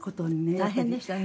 大変でしたね。